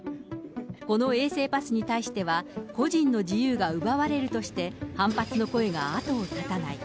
この衛生パスに対しては、個人の自由が奪われるとして、反発の声が後を絶たない。